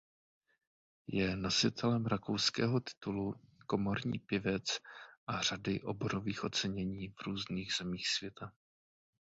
Je nositelem rakouského titulu Komorní pěvec a řady oborových ocenění v různých zemích světa.